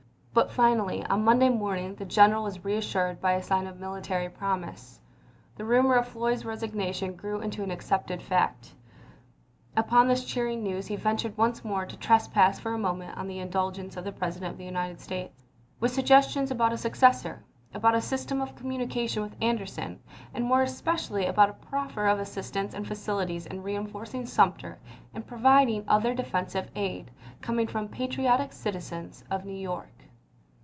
But finally, on Mon chap. vn. day morning, the general was reassured by a sign of military promise. The rumor of Floyd's resig nation grew into an accepted fact. Upon this cheering news he ventured once more to " trespass for a moment on the indulgence of the President of the United States," with suggestions about a successor, about a system of communication with Anderson, and more especially about a proffer of £ t£eepr2 assistance and facilities in reenforcing Sumter and ldshimf" providing other defensive aid, coming from patriotic l, p". 119. ' citizens of New York.